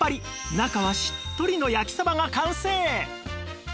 中はしっとりの焼きサバが完成！